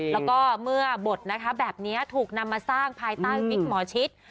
แล้วก็เมื่อบทนะคะแบบนี้ถูกนำมาสร้างภายใต้วิกหมอชิต